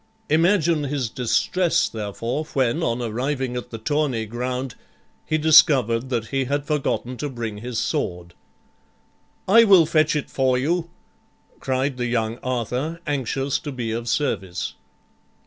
Imagine his distress, therefore, when, on arriving at the tourney ground, he discovered that he had forgotten to bring his sword. "I will fetch it for you," cried the young Arthur, anxious to be of service.